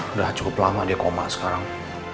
udah cukup lama dia koma sekarang